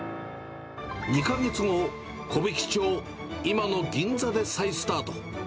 ２か月後、木挽町、今の銀座で再スタート。